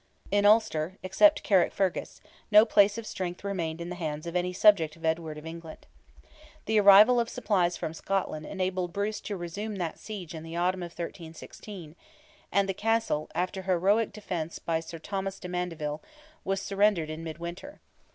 In Ulster, except Carrickfergus, no place of strength remained in the hands of any subject of Edward of England. The arrival of supplies from Scotland enabled Bruce to resume that siege in the autumn of 1316, and the castle, after a heroic defence by Sir Thomas de Mandeville, was surrendered in mid winter.